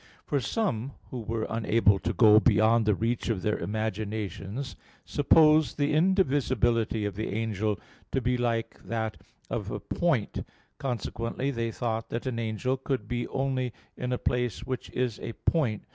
For some who were unable to go beyond the reach of their imaginations supposed the indivisibility of the angel to be like that of a point; consequently they thought that an angel could be only in a place which is a point.